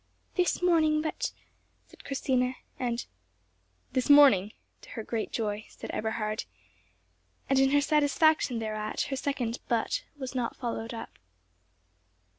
"This morning, but—" said Christina, and "This morning," to her great joy, said Eberhard, and, in her satisfaction thereat, her second "but" was not followed up.